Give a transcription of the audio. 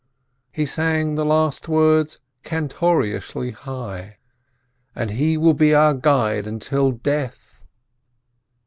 He sang the last words "cantorishly" high: "And He will be our guide until death."